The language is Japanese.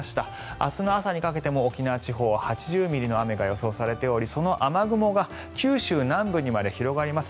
明日の朝にかけても沖縄地方、８０ミリの雨が予想されておりその雨雲が九州南部にまで広がります。